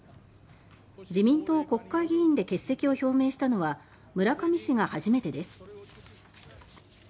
自民党国会議員で欠席を表明したのは村上氏が初めてです。